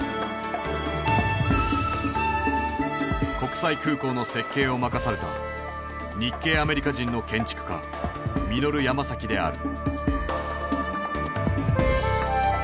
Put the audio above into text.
国際空港の設計を任された日系アメリカ人の建築家ミノル・ヤマサキである。